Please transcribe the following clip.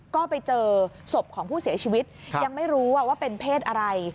ก็ไปเจอศพของผู้เสียชีวิตยังไม่รู้ว่าเป็นเพศอะไร